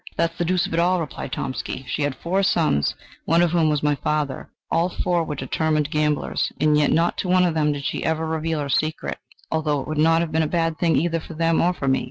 "That's the deuce of it!" replied Tomsky: "she had four sons, one of whom was my father; all four were determined gamblers, and yet not to one of them did she ever reveal her secret, although it would not have been a bad thing either for them or for me.